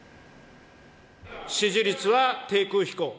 支持率は低空飛行。